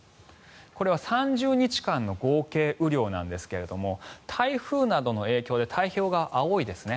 これは３０日間の合計雨量なんですが台風などの影響で太平洋側、青いですね。